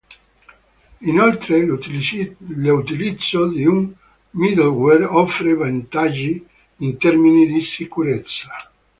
Inoltre, l'utilizzo di un middleware offre vantaggi in termini di sicurezza.